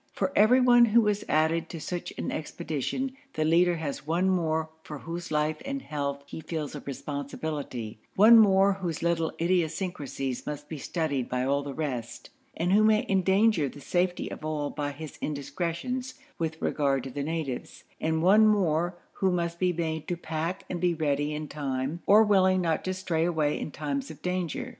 For everyone who is added to such an expedition, the leader has one more for whose life and health he feels a responsibility, one more whose little idiosyncrasies must be studied by all the rest, and who may endanger the safety of all by his indiscretions with regard to the natives, and one more who must be made to pack and be ready in time, or willing not to stray away in times of danger.